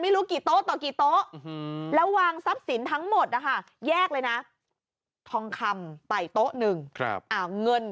ไม่รู้กี่โต๊ะต่อกี่โต๊ะแล้ววางทรัพย์สินทั้งหมดนะคะแยกเลยนะทองคำไปโต๊ะหนึ่งเงิน